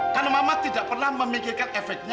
karena mama tidak pernah memikirkan efeknya